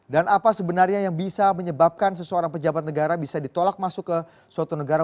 dan apa sebenarnya yang bisa menyebabkan seseorang pejabat negara bisa ditolak masuk ke suatu negara